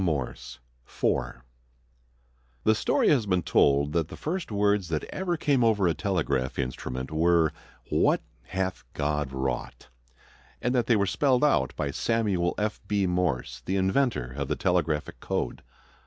Morse_ FOUR The story has been told that the first words that ever came over a telegraph instrument were "What hath God Wrought!" and that they were spelled out by Samuel F. B. Morse, the inventor of the telegraphic code.